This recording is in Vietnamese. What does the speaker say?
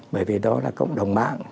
bởi vì đó là cộng đồng mạng